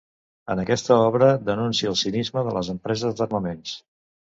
En aquesta obra denuncia el cinisme de les empreses d'armaments.